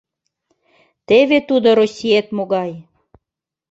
— Теве тудо, Россиет, могай!